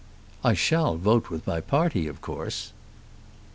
"I shall vote with my party of course."